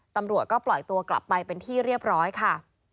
ตำรวจก็ปล่อยตัวกลับไปเป็นที่เรียบร้อยค่ะ